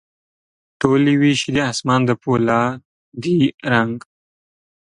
ټولي ویشي د اسمان د پولا دي رنګ،